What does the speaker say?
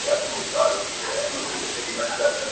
خو ستا د وصل په ارمان باندي تيريږي ژوند,